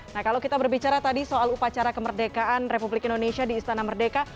nah kalau kita berbicara tadi soal upacara kemerdekaan republik indonesia di istana merdeka